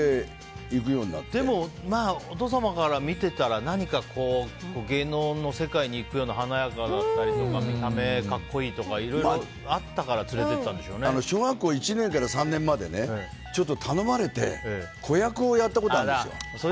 でも、お父様から見てたら何か、芸能の世界に行くような華やかだったりとか見た目が格好いいとかいろいろあったから小学校１年から３年までちょっと頼まれて子役をやったことあるんですよ。